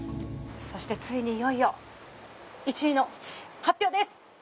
そしてついにいよいよ１位の発表です